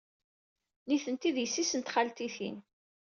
Nitenti d yessi-s n txaltitin.